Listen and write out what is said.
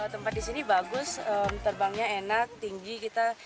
tempat di sini bagus terbangnya enak tinggi kita